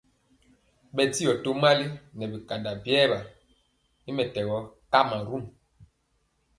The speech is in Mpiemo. Bɛndiɔ tomali nɛ bikanda biwa y mɛtɛgɔ kamarun.